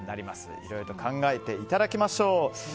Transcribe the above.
いろいろと考えていただきましょう。